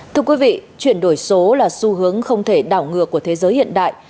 thưa quý vị chuyển đổi số là xu hướng không thể đảo ngược của thế giới hiện đại